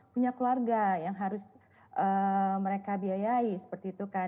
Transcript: punya keluarga yang harus mereka biayai seperti itu kan